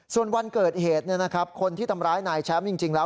ส่วนวันเกิดเหตุคนที่ทำร้ายนายแชมป์